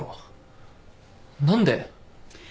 何で？